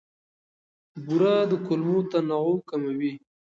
بوره د کولمو تنوع کموي.